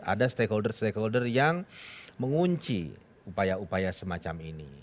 ada stakeholders stakeholders yang mengunci upaya upaya semacam ini